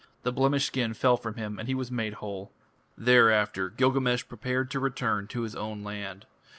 The blemished skin fell from him, and he was made whole. Thereafter Gilgamesh prepared to return to his own land.